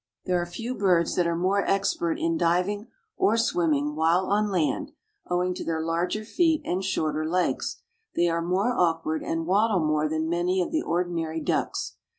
There are few birds that are more expert in diving or swimming, while on land, owing to their larger feet and shorter legs, they are more awkward and waddle more than many of the ordinary ducks.